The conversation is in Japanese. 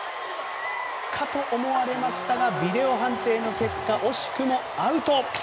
かと思われましたがビデオ判定の結果惜しくもアウト。